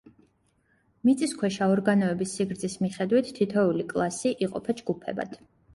მიწისქვეშა ორგანოების სიგრძის მიხედვით თითოეული კლასი იყოფა ჯგუფებად.